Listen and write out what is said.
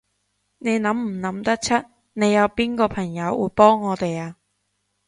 你諗唔諗得出，你有邊個朋友會幫我哋啊？